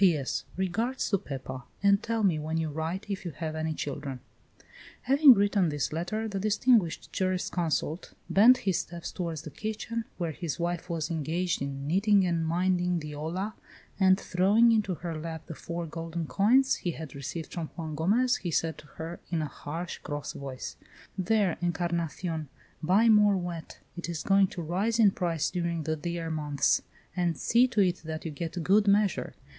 "P.S. Regards to Pepa, and tell me when you write if you have any children." Having written this letter, the distinguished jurisconsult bent his steps toward the kitchen, where his wife was engaged in knitting and minding the olla, and throwing into her lap the four golden coins he had received from Juan Gomez, he said to her, in a harsh, cross voice: "There, Encarnacion, buy more wheat; it is going to rise in price during the dear months; and see to it that you get good measure.